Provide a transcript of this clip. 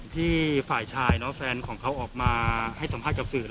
ที่ฝ่ายชายแฟนของเขาออกมาให้สัมภาษณ์กับสื่อ